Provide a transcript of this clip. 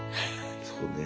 そうね。